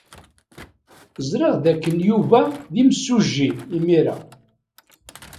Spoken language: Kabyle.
Ẓriɣ dakken Yuba d imsujji imir-a.